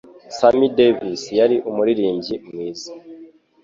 Sammy Davis yari umuririmbyi mwiza.